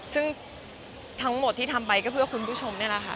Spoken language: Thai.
ซึ่งทั้งหมดที่ทำไปก็เพื่อคุณผู้ชมนี่แหละค่ะ